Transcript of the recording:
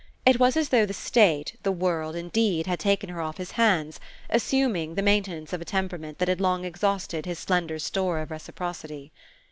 It was as though the state, the world, indeed, had taken her off his hands, assuming the maintenance of a temperament that had long exhausted his slender store of reciprocity.